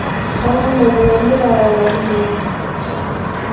Ал кандай болгондо да, ал Алайдын уулу, деп жатышат.